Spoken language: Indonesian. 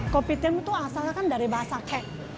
kopi tim itu asalnya kan dari bahasa kek